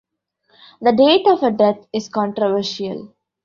The date of her death is controversial.